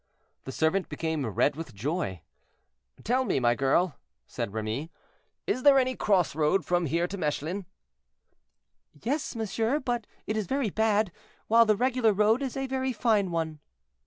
The servant became red with joy. "Tell me, my girl," said Remy, "is there any cross road from here to Mechlin?" "Yes, monsieur, but it is very bad, while the regular road is a very fine one."